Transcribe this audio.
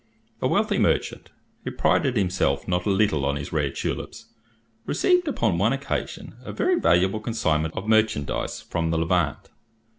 A wealthy merchant, who prided himself not a little on his rare tulips, received upon one occasion a very valuable consignment of merchandise from the Levant.